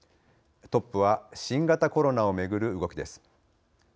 トップは新型コロナをめぐる動きです。